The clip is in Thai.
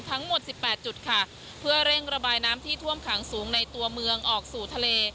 ทั้งหมดสิบแปดจุดค่ะเพื่อเร่งระบายน้ำที่ท่วมขังสูงในตัวเมืองออกสู่ทะเล